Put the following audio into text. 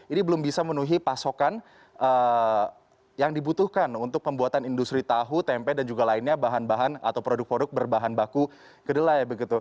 ini belum bisa menuhi pasokan yang dibutuhkan untuk pembuatan industri tahu tempe dan juga lainnya bahan bahan atau produk produk berbahan baku kedelai